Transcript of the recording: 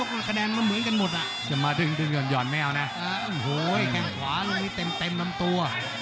โหแข่งขวายังมีเต็มลำตัว